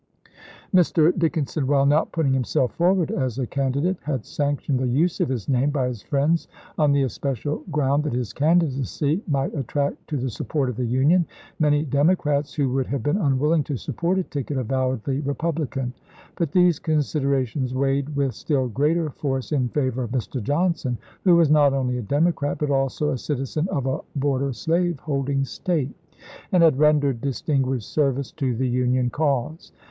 Mr. Dickinson, while not putting him self forward as a candidate, had sanctioned the use of his name by his friends on the especial ground 74 ABRAHAM LINCOLN chap, iil that his candidacy might attract to the support of the Union party many Democrats who would have been unwilling to support a ticket avowedly Repub lican ; but these considerations weighed with still greater force in favor of Mr. Johnson, who was not only a Democrat, but also a citizen of a border slave holding State, and had rendered distinguished ser vices to the Union cause.